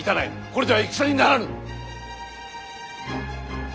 これでは戦にならぬ。